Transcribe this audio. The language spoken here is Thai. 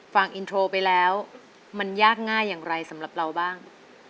ฟังอินโทรไปแล้วมันยากง่ายอย่างไรสำหรับเราบ้าง